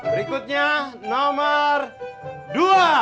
berikutnya nomor dua